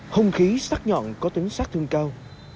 hung khí sắc nhọn có tính sắc thương cao